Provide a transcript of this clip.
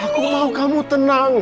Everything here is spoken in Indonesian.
aku mau kamu tenang